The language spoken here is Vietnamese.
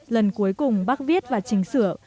lần cuối cùng bác viết và chỉnh sửa